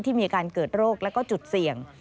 ที่มีอาการเกิดโรคและจุดเสี่ยง